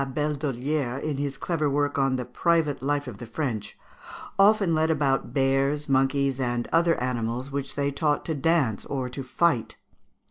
de Labédollière, in his clever work on "The Private Life of the French," "often led about bears, monkeys, and other animals, which they taught to dance or to fight (Figs.